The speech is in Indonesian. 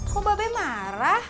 kok bapak be marah